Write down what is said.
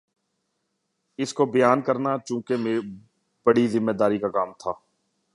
اِس کو آگے بیان کرنا چونکہ بڑی ذمہ داری کا کام تھا